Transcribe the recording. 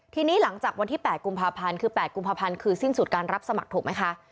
ทีนี้หลังจากวันที่๘กุมภาพันธ์คือ๘กุมภาพันธ์คือสิ้นสุดการรับสมัครถูกไหมคะ